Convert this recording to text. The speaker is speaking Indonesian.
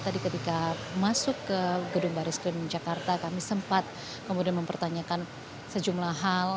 tadi ketika masuk ke gedung baris krim jakarta kami sempat kemudian mempertanyakan sejumlah hal